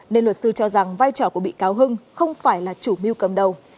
nên luật sư cho rằng vai trò của bị cáo hưng không phải là chủ mưu cầm đầu